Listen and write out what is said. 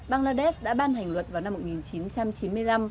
bangladesh đã ban hành luật vào năm một nghìn chín trăm chín mươi năm